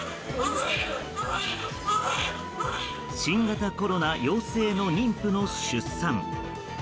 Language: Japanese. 新型コロナ陽性の妊婦の出産。